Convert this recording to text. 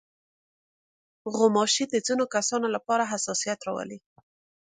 غوماشې د ځينو کسانو لپاره حساسیت راولي.